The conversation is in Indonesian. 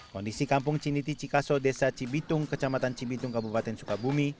kondisi kampung ciniti cikaso desa cibitung kecamatan cibitung kabupaten sukabumi